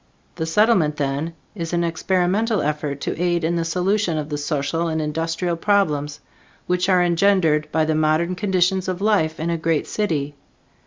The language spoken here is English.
The Settlement then, is an experimental effort to aid in the solution of the social and industrial problems which are engendered by the modern conditions of life in a great city.